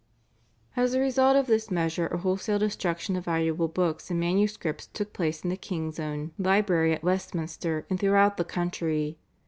" As a result of this measure a wholesale destruction of valuable books and manuscripts took place in the king's own library at Westminster and throughout the country.